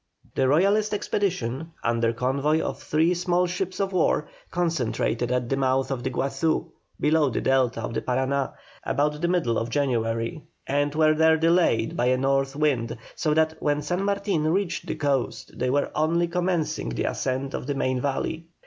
The Royalist expedition, under convoy of three small ships of war, concentrated at the mouth of the Guazu, below the delta of the Parana, about the middle of January, and were there delayed by a north wind, so that when San Martin reached the coast they were only commencing the ascent of the main river.